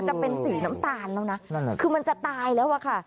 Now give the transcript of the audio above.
จะเป็นสีน้ำตาลแล้วนะคือมันจะตายแล้วอะค่ะ